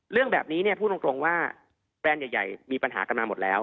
เรื่องแบบนี้เนี่ยพูดตรงว่าแบรนด์ใหญ่มีปัญหากันมาหมดแล้ว